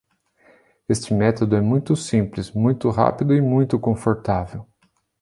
Este método é muito simples, muito rápido e muito confortável.